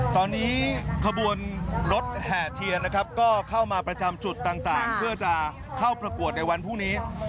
ตอนนี้ขบวนรถแห่เทียนนะครับก็เข้ามาประจำจุดต่างเพื่อจะเข้าประกวดในวันพรุ่งนี้